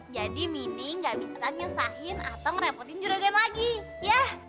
jadi mini gak bisa nyusahin atau ngerepotin juragan lagi ya